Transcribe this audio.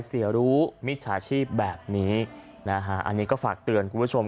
เสียรู้มิจฉาชีพแบบนี้นะฮะอันนี้ก็ฝากเตือนคุณผู้ชม